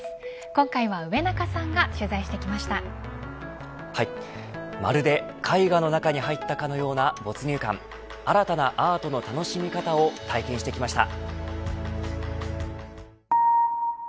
今回は上中さんが取材しまるで絵画の中に入ったかのような没入感新たなアートの楽しみ方を体験してきました。